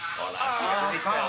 蚊が出てきたよ。